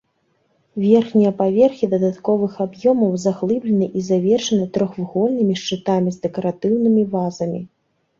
Верхнія паверхі дадатковых аб'ёмаў заглыблены і завершаны трохвугольнымі шчытамі з дэкаратыўнымі вазамі.